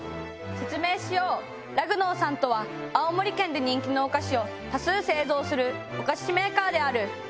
説明しようラグノオさんとは青森県で人気のお菓子を多数製造するお菓子メーカーである。